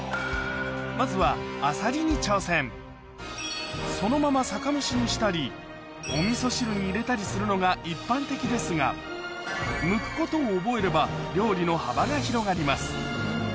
まずはあさりに挑戦そのまま酒蒸しにしたりお味噌汁に入れたりするのが一般的ですがむくことを覚えれば料理の幅が広がります